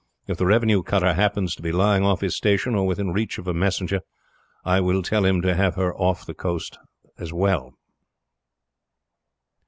If the revenue cutter happens to be lying off his station, or within reach of a messenger, I will tell him to have her off the shore if possible."